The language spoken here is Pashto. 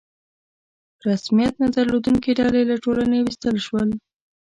رسمیت نه درلودونکي ډلې له ټولنې ویستل شول.